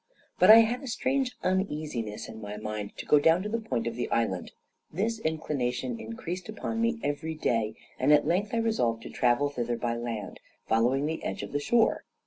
But I had a strange uneasiness in my mind to go down to the point of the island: this inclination increased upon me every day, and at length I resolved to travel thither by land, following the edge of the shore.